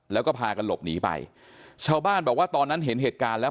แล้วก็พากันหลบหนีไปชาวบ้านบอกว่าตอนนั้นเห็นเหตุการณ์แล้ว